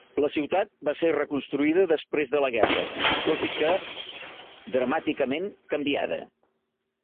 La ciutat va ser reconstruïda després de la guerra, tot i que dramàticament canviada.